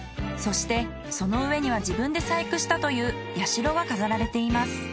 そしてその上には自分で細工したという社が飾られています。